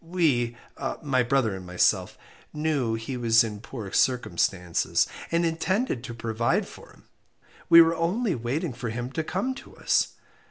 We my brother and myself knew he was in poor circumstances, and intended to provide for him. We were only waiting for him to come to us.